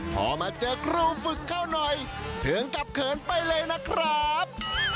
พอมาเจอครูฝึกเข้าหน่อยถึงกับเขินไปเลยนะครับ